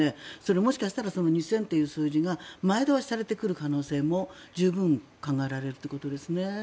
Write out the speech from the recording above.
もしかしたら２０００という数字が前倒しされてくる可能性も十分考えられるということですね。